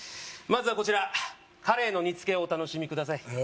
まずはこちらカレイの煮付けをお楽しみください